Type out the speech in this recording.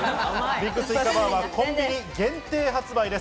ＢＩＧスイカバーはコンビニ限定発売です。